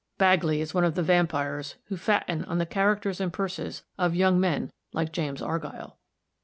Bagley is one of the vampires who fatten on the characters and purses of young men like James Argyll."